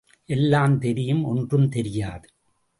எல்லாம் தெரியும் ஒன்றும் தெரியாது.